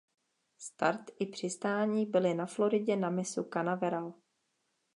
Start i přistání byly na Floridě na mysu Canaveral.